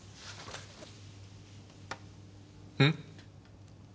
うん？